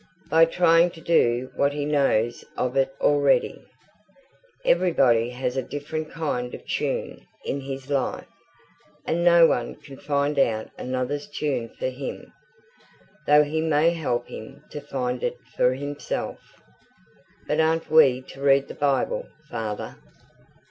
"By trying to do what he knows of it already. Everybody has a different kind of tune in his life, and no one can find out another's tune for him, though he may help him to find it for himself." "But aren't we to read the Bible, father?"